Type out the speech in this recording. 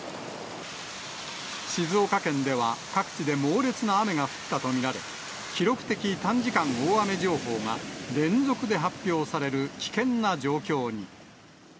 静岡県では各地で猛烈な雨が降ったと見られ、記録的短時間大雨情報が連続で発表される危険な状況に。